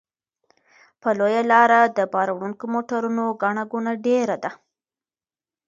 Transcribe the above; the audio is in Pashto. په لویه لاره د بار وړونکو موټرو ګڼه ګوڼه ډېره ده.